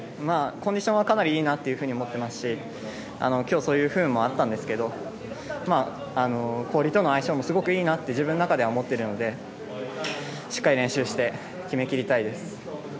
まあ、コンディションはかなりいいなと思ってますし今日、そういう不運もあったんですけど氷との相性もすごくいいなって自分の中では思ってるのでしっかり練習して決め切りたいです。